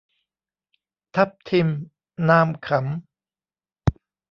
ทับทิม นามขำ